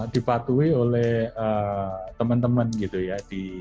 dipatuhi oleh teman teman gitu ya